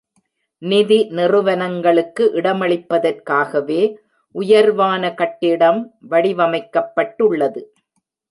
நிதி நிறுவனங்களுக்கு இடமளிப்பதற்காகவே உயர்வான கட்டிடம் வடிவமைக்கப்பட்டுள்ளது.